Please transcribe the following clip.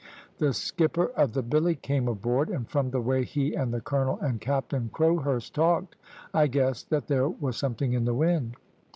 The skipper of the Billy came aboard, and from the way he and the colonel and Captain Crowhurst talked, I guessed that there was something in the wind.